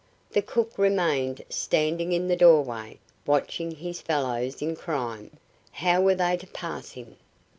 The cook remained standing in the doorway, watching his fellows in crime! How were they to pass him?